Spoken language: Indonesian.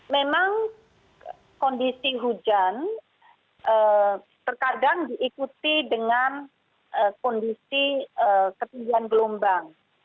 memang kondisi hujan terkadang diikuti dengan kondisi ketinggian gelombang